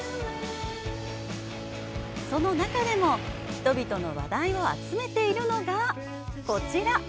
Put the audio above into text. その中でも人々の話題を集めているのがこちら。